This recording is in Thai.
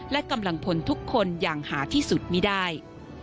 และกำลังพลทุกคนอย่างหาที่สุดไม่ได้